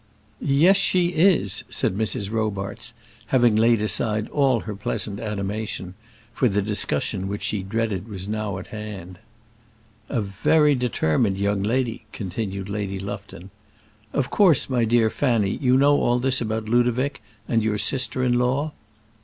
"Yes, she is," said Mrs. Robarts, having laid aside all her pleasant animation, for the discussion which she dreaded was now at hand. "A very determined young lady," continued Lady Lufton. "Of course, my dear Fanny, you know all this about Ludovic and your sister in law?"